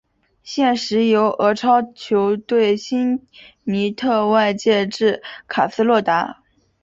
现时由俄超球队辛尼特外借至卡斯洛达。